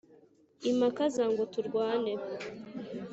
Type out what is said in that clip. Impaka za ngo turwane,